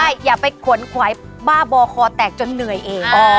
ใช่อย่าไปขนขวายบ้าบอคอแตกจนเหนื่อยเอง